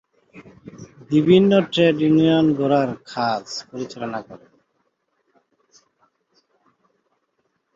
বিভিন্ন trade union গড়ার কাজ পরিচালনা করেন।